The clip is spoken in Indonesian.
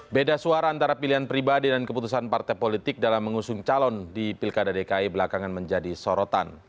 beda suara antara pilihan pribadi dan keputusan partai politik dalam mengusung calon di pilkada dki belakangan menjadi sorotan